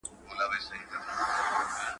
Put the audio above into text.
مرګ د انسان د اعمالو د بندېدو وخت دی.